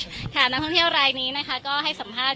น้องท่านท่านแท้อยังไหร่แค่นี้